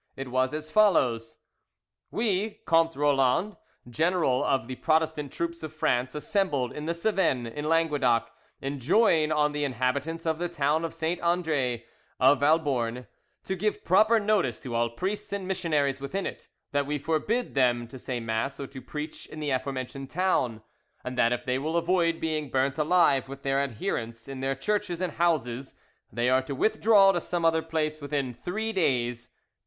It was as follows:— "We, Comte Roland, general of the Protestant troops of France assembled in the Cevennes in Languedoc, enjoin on the inhabitants of the town of St. Andre of Valborgne to give proper notice to all priests and missionaries within it, that we forbid them to say mass or to preach in the afore mentioned town, and that if they will avoid being burnt alive with their adherents in their churches and houses, they are to withdraw to some other place within three days.